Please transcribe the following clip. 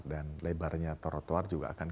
lebarnya trotoar juga akan